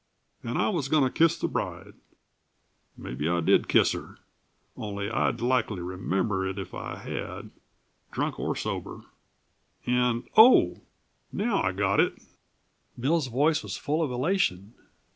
And I was goin' to kiss the bride mebbe I did kiss her only I'd likely remember it if I had, drunk or sober! And oh, now I got it!" Bill's voice was full of elation.